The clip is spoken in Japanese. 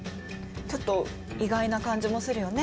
ちょっと意外な感じもするよね？